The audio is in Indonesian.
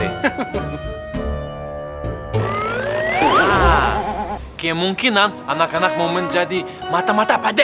oke mungkin anak anak mau menjadi mata mata pada